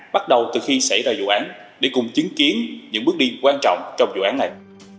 bắt đầu từ khi xảy ra vụ án để cùng chứng kiến những bước đi quan trọng trong vụ án này